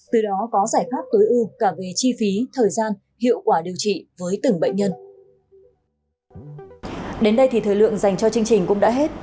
từ đó có giải pháp tối ưu cả về chi phí thời gian hiệu quả điều trị với từng bệnh nhân